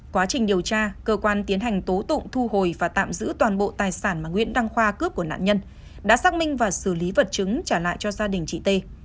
quá trình điều tra cơ quan tiến hành tố tụng thu hồi và tạm giữ toàn bộ tài sản mà nguyễn đăng khoa cướp của nạn nhân đã xác minh và xử lý vật chứng trả lại cho gia đình chị t